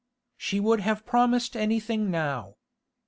She would have promised anything now.